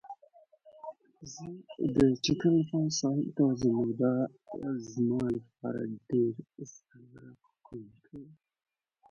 افغانستان د سیلابونو په اړه پوره علمي څېړنې لري.